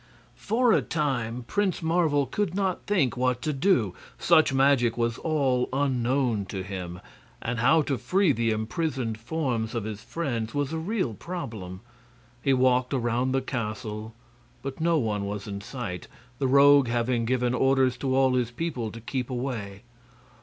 For a time Prince Marvel could not think what to do. Such magic was all unknown to him, and how to free the imprisoned forms of his friends was a real problem. He walked around the castle, but no one was in sight, the Rogue having given orders to all his people to keep away.